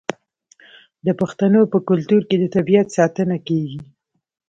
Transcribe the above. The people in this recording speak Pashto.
د پښتنو په کلتور کې د طبیعت ساتنه کیږي.